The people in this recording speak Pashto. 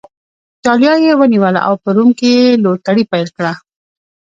اېټالیا یې ونیوله او په روم کې یې لوټري پیل کړه